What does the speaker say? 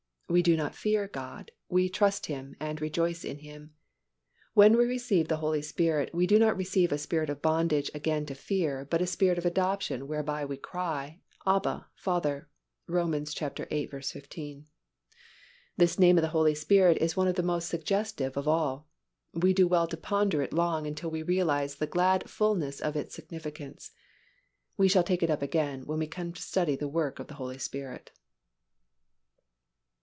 We do not fear God, we trust Him and rejoice in Him. When we receive the Holy Spirit, we do not receive a Spirit of bondage again to fear but a Spirit of adoption whereby we cry, Abba, Father (Rom. viii. 15). This name of the Holy Spirit is one of the most suggestive of all. We do well to ponder it long until we realize the glad fullness of its significance. We shall take it up again when we come to study the work of the Holy Spirit.